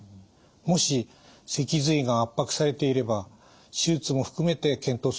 もし脊髄が圧迫されていれば手術も含めて検討する必要があります。